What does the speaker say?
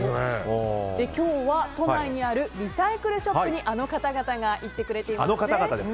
今日は都内にあるリサイクルショップにあの方々が行ってくれています。